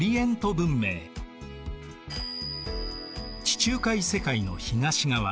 地中海世界の東側